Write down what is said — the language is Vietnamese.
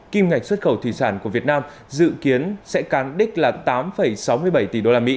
kim ngạch xuất khẩu thủy sản của việt nam dự kiến sẽ cán đích là tám sáu mươi bảy tỷ usd